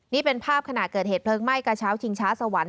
นี่เป็นภาพขณะเกิดเหตุเพลิงไหม้กระเช้าชิงช้าสวรรค์